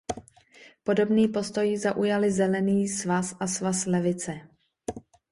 Podobný postoj zaujaly Zelený svaz a Svaz levice.